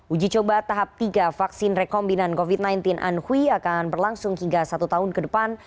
uji coba tahap tiga vaksin rekombinan covid sembilan belas anhui akan berlangsung hingga satu tahun ke depan